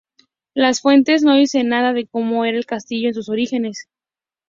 Las fuentes no dicen nada de cómo era el castillo en sus orígenes.